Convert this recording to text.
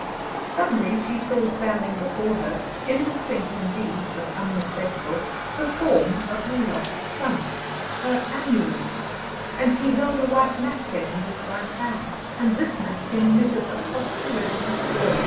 Suddenly she saw standing before her, indistinct indeed, but unmistakable, the form of her lost son, her Aneurin, and he held a white napkin in his right hand, and this napkin emitted a phosphorescent glow.